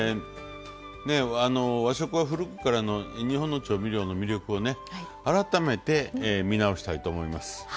和食は古くからの日本の調味料の魅力を改めて見直したいと思います。